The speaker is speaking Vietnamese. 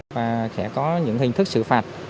và sẽ có những hình thức xử phạt